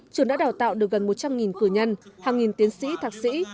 trường đã đào tạo được gần một trăm linh cử nhân hàng nghìn tiến sĩ thạc sĩ